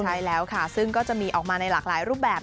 ใช่แล้วค่ะซึ่งก็จะมีออกมาในหลากหลายรูปแบบ